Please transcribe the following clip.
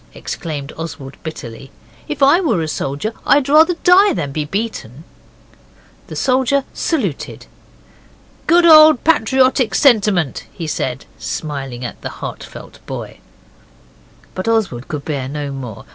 exclaimed Oswald bitterly. 'If I were a soldier I'd rather die than be beaten.' The soldier saluted. 'Good old patriotic sentiment' he said, smiling at the heart felt boy. But Oswald could bear no more.